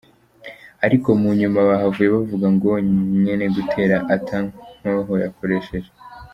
Ariko mu nyuma bahavuye bavuga ko nyene gutera ata nkoho yakoresheje.